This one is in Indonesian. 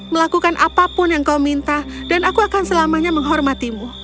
melakukan apapun yang kau minta dan aku akan selamanya menghormatimu